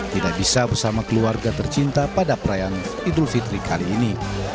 tidak bisa bersama keluarga tercinta pada perayaan idul fitri kali ini